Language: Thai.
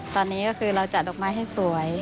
ตอนนี้ก็คือเราจัดดอกไม้ให้สวย